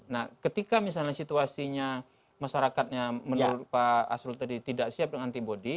nah ketika misalnya situasinya masyarakatnya menurut pak asrul tadi tidak siap dengan antibody